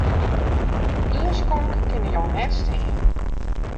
Op ien skonk kinne jo net stean.